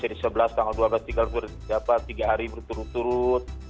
jadi sebelas tanggal dua puluh tiga tiga hari berturut turut